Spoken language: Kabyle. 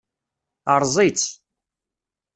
Erẓ-itt.